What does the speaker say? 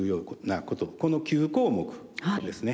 この９項目ですね。